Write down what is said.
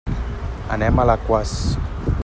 Anem a Alaquàs.